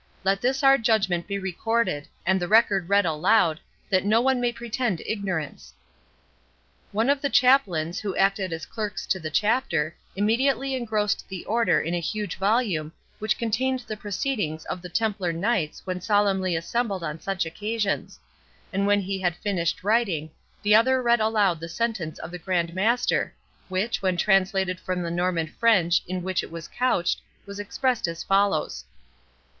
—Let this our judgment be recorded, and the record read aloud, that no one may pretend ignorance." One of the chaplains, who acted as clerks to the chapter, immediately engrossed the order in a huge volume, which contained the proceedings of the Templar Knights when solemnly assembled on such occasions; and when he had finished writing, the other read aloud the sentence of the Grand Master, which, when translated from the Norman French in which it was couched, was expressed as follows.